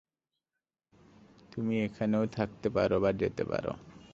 তুমি এখানেও থাকতে পারো বা যেতে পারো।